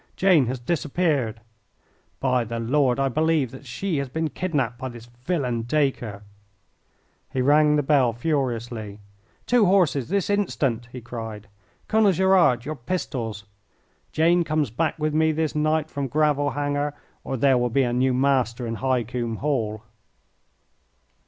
Jane has disappeared. By the Lord, I believe that she has been kidnapped by this villain Dacre." He rang the bell furiously. "Two horses, this instant!" he cried. "Colonel Gerard, your pistols! Jane comes back with me this night from Gravel Hanger or there will be a new master in High Combe Hall."